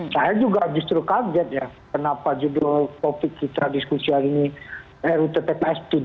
saya juga justru kaget ya kenapa judul topik kita diskusi hari ini rutp ps